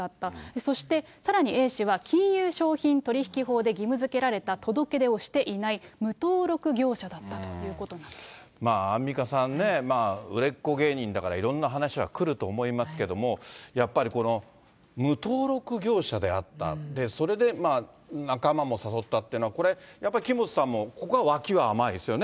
そしてさらにＡ氏は、金融商品取引法で義務づけられた届け出をしていない無登録業者だアンミカさんね、売れっ子芸人だからいろんな話は来ると思いますけども、やっぱりこの無登録業者であった、それで仲間も誘ったっていうのは、これ、やっぱり木本さんもここは脇は甘いですよね。